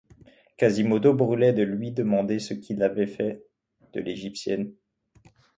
Quasimodo brûlait de lui demander ce qu’il avait fait de l’égyptienne.